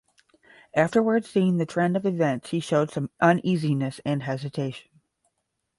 Afterwards, seeing the trend of events, he showed some uneasiness and hesitation.